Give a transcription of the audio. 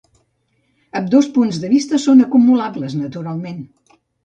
Ambdós punts de vista són acumulables, naturalment.